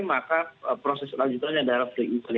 maka proses lanjutannya adalah free event